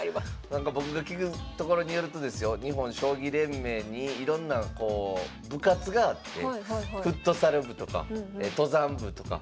なんか僕が聞くところによるとですよ日本将棋連盟にいろんなこう部活があってフットサル部とか登山部とか。